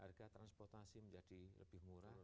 harga transportasi menjadi lebih murah